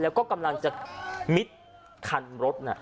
แล้วก็กำลังจะมิดคันรถน่ะ